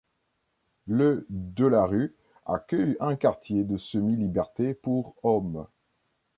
Le de la rue accueille un quartier de semi-liberté pour homme.